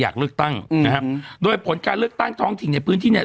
อยากเลือกตั้งอืมนะครับโดยผลการเลือกตั้งท้องถิ่นในพื้นที่เนี่ย